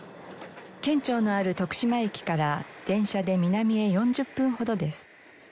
県庁のある徳島駅から電車で南へ４０分ほどです。